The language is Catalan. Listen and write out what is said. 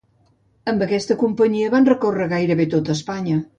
Amb aquesta companyia van recórrer gairebé tota Espanya.